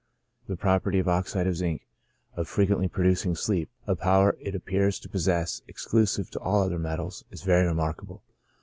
The property of oxide of zinc of frequently producing sleep — a power it appears to possess exclusive to all the other metals — is very remarkable.